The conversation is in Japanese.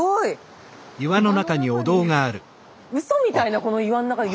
うそみたいなこの岩ん中に！